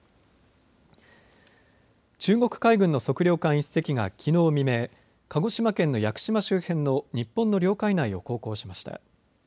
中国海軍の測量艦１隻がきのう未明、鹿児島県の屋久島周辺の日本の領海内を航行しました。